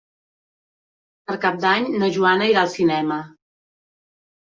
Per Cap d'Any na Joana irà al cinema.